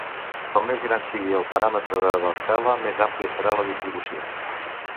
Com més gran sigui el paràmetre de l'escala, més àmplia serà la distribució.